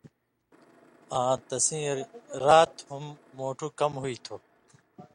آں تسیں رات ہُم مِٹُھویں کم ہُوئ تُھو۔